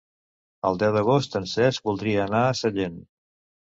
El deu d'agost en Cesc voldria anar a Sallent.